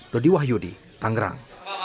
dodi wahyudi tangerang